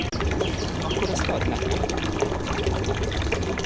Akkor azt add nekem!